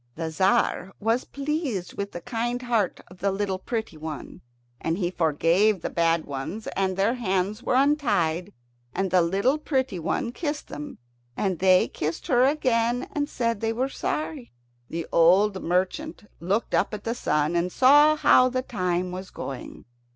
The Tzar was pleased with the kind heart of the little pretty one, and he forgave the bad ones, and their hands were untied, and the little pretty one kissed them, and they kissed her again and said they were sorry. The old merchant looked up at the sun, and saw how the time was going.